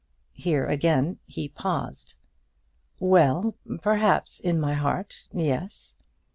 Here again he paused. "Well; perhaps in my heart, yes."